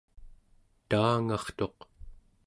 taangartuq